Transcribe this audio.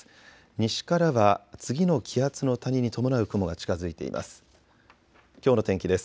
西からは次の気圧の谷に伴う雲が近づいています。